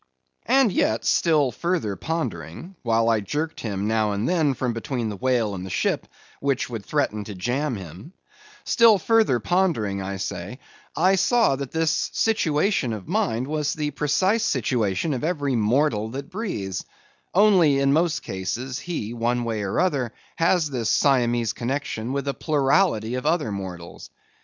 And yet still further pondering—while I jerked him now and then from between the whale and ship, which would threaten to jam him—still further pondering, I say, I saw that this situation of mine was the precise situation of every mortal that breathes; only, in most cases, he, one way or other, has this Siamese connexion with a plurality of other mortals.